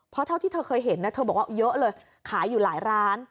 เพราะเท่าที่เธอเคยเห็นนะเธอบอกว่าเยอะเลยขายอยู่หลายร้าน